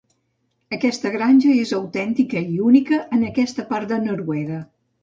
Aquesta granja és autèntica i única en aquesta part de Noruega.